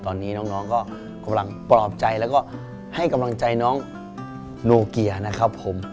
ตอนนี้น้องก็กำลังปลอบใจแล้วก็ให้กำลังใจน้องโนเกียนะครับผม